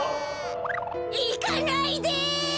いかないで！